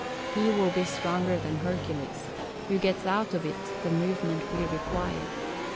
He will be stronger than Hercules, who gets out of it the movement we require.